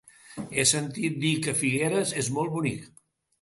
He sentit a dir que Figueres és molt bonic.